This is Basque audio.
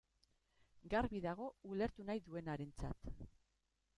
Garbi dago, ulertu nahi duenarentzat.